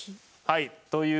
はい。